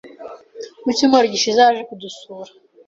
Mu cyumweru gishize, yaje kudusura.